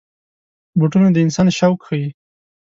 بوټونه د انسان شوق ښيي.